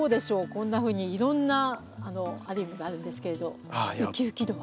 こんなふうにいろんなアリウムがあるんですけれどウキウキ度は？